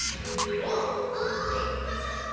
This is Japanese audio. おっおいはなかっぱ！